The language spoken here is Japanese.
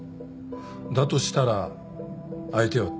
だとしたら相手は立石？